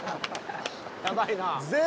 やばいな。